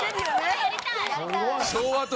やりたい。